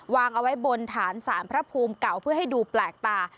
วางเอาไว้บนฐานสารพระภูมิเก่าเพื่อให้ดูแปลกตา